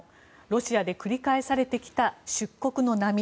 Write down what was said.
ロシアで繰り返されてきた出国の波。